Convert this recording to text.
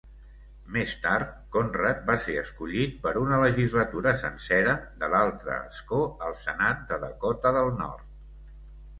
Més tard, Conrad va ser escollit per una legislatura sencera de l'altre escó al Senat de Dakota del Nord.